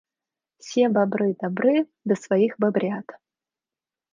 Все бобры добры до своих бобрят.